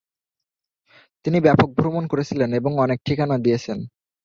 তিনি ব্যাপক ভ্রমণ করেছিলেন এবং অনেক ঠিকানা দিয়েছেন।